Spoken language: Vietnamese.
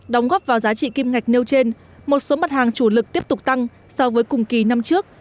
đóng góp vào giá trị kim ngạch nêu trên một số mặt hàng chủ lực tiếp tục tăng so với cùng kỳ năm trước